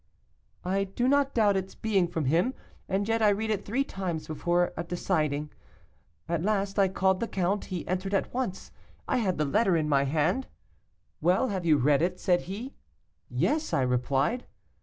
"I do not doubt its being from him, and yet I read it three times before deciding. At last I called the count. He entered at once; I had the letter in my hand. 'Well, have you read it?' said he. 'Yes,' I replied.